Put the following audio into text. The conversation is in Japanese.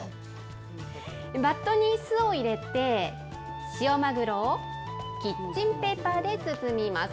バットに酢を入れて、塩マグロをキッチンペーパーで包みます。